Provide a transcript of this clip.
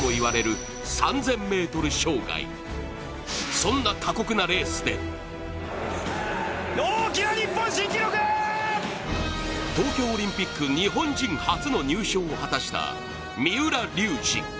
そんな過酷なレースで東京オリンピック日本人初の入賞を果たした三浦龍司。